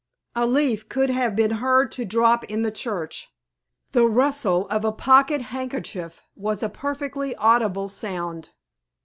A leaf could have been heard to drop in the church, the rustle of a pocket handkerchief was a perfectly audible sound.